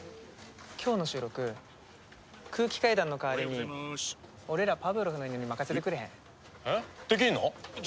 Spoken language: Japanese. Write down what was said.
今日の収録空気階段の代わりに俺らパブロフの犬に任せてくれへん？